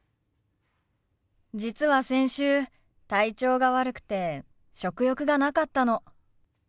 実は先週体調が悪くて食欲がなかったの。